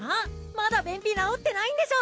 まだ便秘治ってないんでしょ！